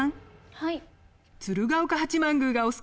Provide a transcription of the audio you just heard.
はい。